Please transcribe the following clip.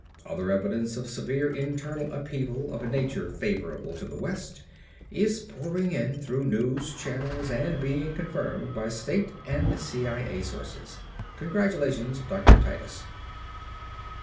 Other evidence of severe internal upheaval of a nature favorable to the West is pouring in through news channels and being confirmed by State and CIA sources. Congratulations, Dr. Titus."